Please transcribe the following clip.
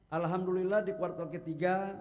alhamdulillah di kuartal ketiga